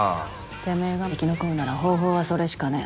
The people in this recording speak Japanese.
てめぇが生き残るなら方法はそれしかねぇ。